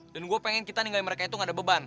dan gua pengen kita ninggalin mereka itu gak ada beban